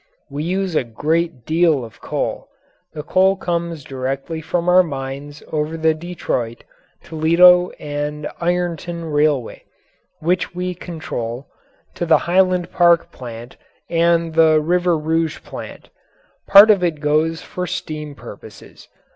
We use a great deal of coal. This coal comes directly from our mines over the Detroit, Toledo and Ironton Railway, which we control, to the Highland Park plant and the River Rouge plant. Part of it goes for steam purposes.